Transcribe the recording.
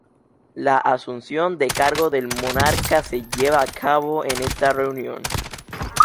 La asunción de cargo del monarca se lleva a cabo en esta reunión.